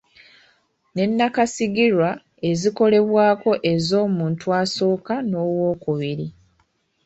Ne nnakasigirwa ezikolebwako ez’omuntu asooka n’ow’okubiri.